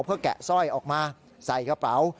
เพื่อแกะสร้อยออกมาใส่กระเป๋า